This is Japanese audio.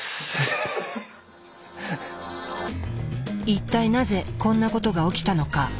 一体なぜこんなことがおきたのか？